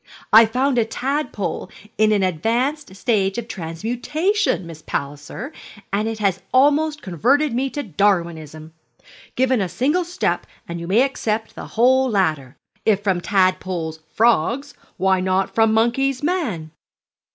'I found a tadpole in an advanced stage of transmutation, Miss Palliser, and it has almost converted me to Darwinism. Given a single step and you may accept the whole ladder. If from tadpoles frogs, why not from monkeys man?'